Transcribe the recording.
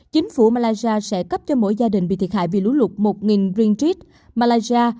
chính phủ malaysia sẽ cấp cho mỗi gia đình bị thiệt hại vì lũ lụt một ringtrit malaysia